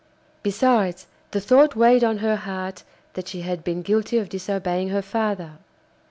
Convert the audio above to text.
Besides, the thought weighed on her heart that she had been guilty of disobeying her father.